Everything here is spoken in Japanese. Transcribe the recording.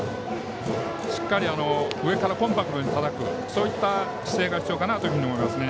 しっかり上からコンパクトにたたくそういった姿勢が必要かなと思いますね。